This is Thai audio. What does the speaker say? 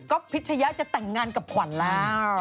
ก็พิชยะจะแต่งงานกับขวัญแล้ว